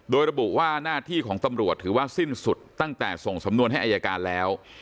โดยระบุว่าหน้าที่ของตำรวจถือว่าสิ้นสุดตั้งแต่ส่งสำนวนให้อายการแล้ว